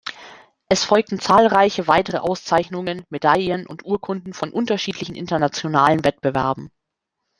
Es folgten zahlreiche weitere Auszeichnungen, Medaillen und Urkunden von unterschiedlichen internationalen Wettbewerben.